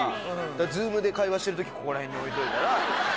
Ｚｏｏｍで会話してる時ここら辺に置いといたら。